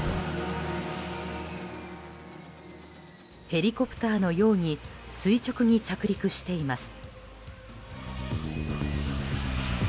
ヘリコプターのように垂直に着陸しています。